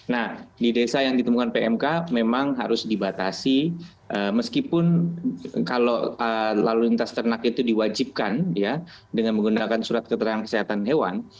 nah di desa yang ditemukan pmk memang harus dibatasi meskipun kalau lalu lintas ternak itu diwajibkan ya dengan menggunakan surat keterangan kesehatan hewan